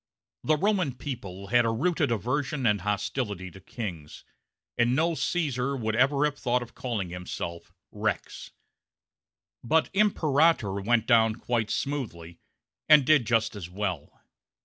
The Roman people had a rooted aversion and hostility to kings; and no Caesar would ever have thought of calling himself rex. But imperator went down quite smoothly, and did just as well.